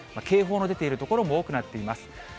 警報の出ている所も多くなっています。